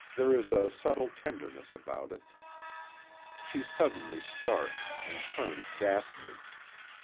There is a subtle tenderness about it. She suddenly starts, and turns ghastly.